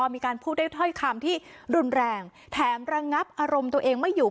มีการพูดได้ถ้อยคำที่รุนแรงแถมระงับอารมณ์ตัวเองไม่อยู่